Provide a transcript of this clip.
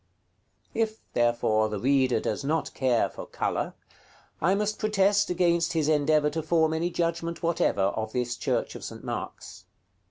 If, therefore, the reader does not care for color, I must protest against his endeavor to form any judgment whatever of this church of St. Mark's.